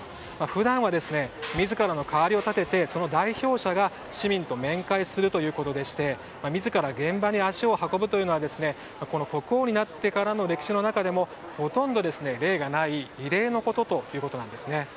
普段は自らの代わりを立ててその代表者が市民と面会するということで自ら現場に足を運ぶというのは国王になってからの歴史の中でもほとんど例がない異例のことということなんです。